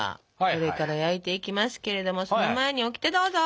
これから焼いていきますけれどもその前にオキテどうぞ！